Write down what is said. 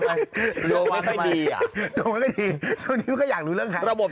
ดำเนินคดีต่อไปนั่นเองครับ